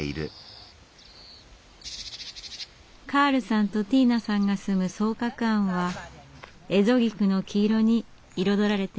カールさんとティーナさんが住む双鶴庵は蝦夷菊の黄色に彩られていました。